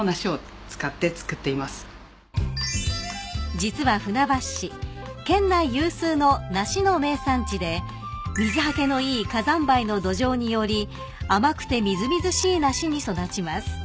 ［実は船橋市県内有数の梨の名産地で水はけのいい火山灰の土壌により甘くてみずみずしい梨に育ちます］